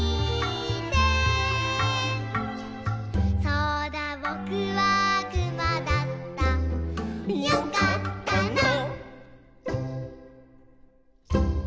「そうだぼくはくまだった」「よかったな」